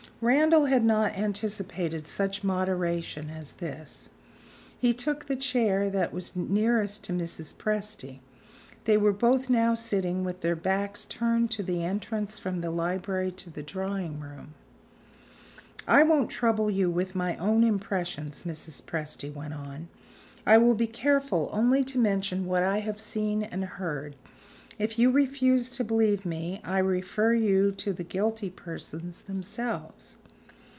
Randal had not anticipated such moderation as this; he took the chair that was nearest to Mrs. Presty. They were both now sitting with their backs turned to the entrance from the library to the drawing room. "I won't trouble you with my own impressions," Mrs. Presty went on. "I will be careful only to mention what I have seen and heard. If you refuse to believe me, I refer you to the guilty persons themselves."